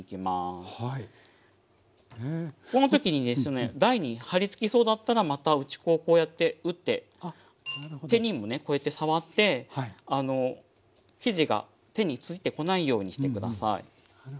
この時にですね台に貼りつきそうだったらまた打ち粉をこうやって打って手にもねこうやって触って生地が手に付いてこないようにして下さい。